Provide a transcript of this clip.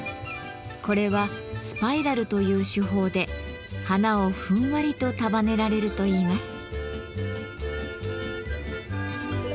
これは「スパイラル」という手法で花をふんわりと束ねられるといいます。